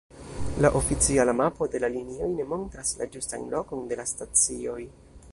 La oficiala mapo de la linioj ne montras la ĝustan lokon de la stacioj.